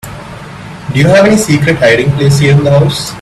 Do you have any secret hiding place here in the house?